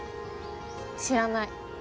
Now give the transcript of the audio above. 知らない。